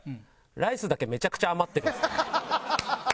ライスだけめちゃくちゃ余ってるんです。